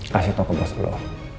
kasih tau ke bos lo